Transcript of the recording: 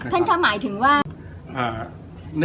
คุณค่ะหมายถึงว่า